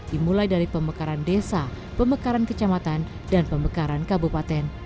dimulai dari pemekaran desa pemekaran kecamatan dan pemekaran kabupaten